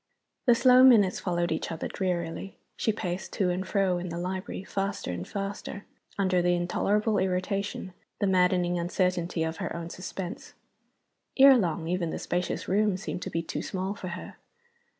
The slow minutes followed each other drearily. She paced to and fro in the library, faster and faster, under the intolerable irritation, the maddening uncertainty, of her own suspense. Ere long, even the spacious room seemed to be too small for her.